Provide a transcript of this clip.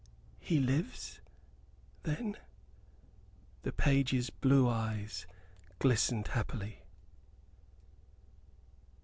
"He lives, then?" The page's blue eyes glistened happily.